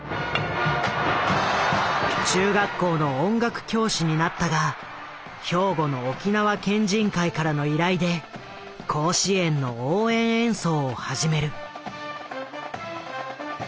中学校の音楽教師になったが兵庫の沖縄県人会からの依頼で甲子園の応援演奏を始める。